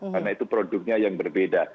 karena itu produknya yang berbeda